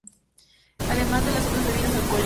Además de otras bebidas alcohólicas.